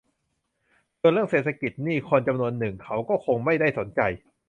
ส่วนเรื่องเศรษฐกิจนี่ คนจำนวนหนึ่งเขาก็คงไม่ได้สนใจ